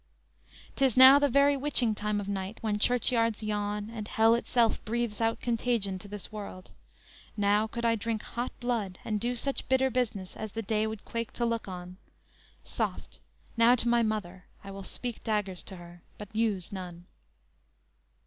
"_ _"'Tis now the very witching time of night, When churchyards yawn, and hell itself breathes out Contagion to this world; now could I drink hot blood, And do such bitter business as the day Would quake to look on. Soft, now to my mother; I will speak daggers to her, but use none!"